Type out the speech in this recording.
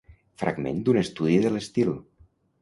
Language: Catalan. Fragment d'un estudi de l'estil.